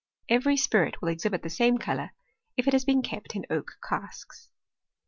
Every spirit"^ will exhibit the same colour, if it has been kept in oak '• casks. 3.